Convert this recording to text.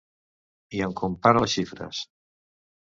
I en compara les xifres.